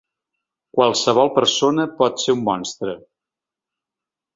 Qualsevol persona pot ser un monstre.